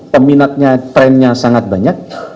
peminatnya trennya sangat banyak